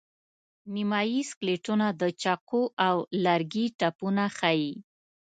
نیمایي سکلیټونه د چاقو او لرګي ټپونه ښيي.